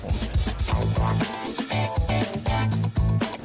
ร้านโงโภฯพฤชนาครับ